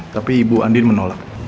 tapi ibu andin menolak